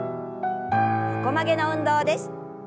横曲げの運動です。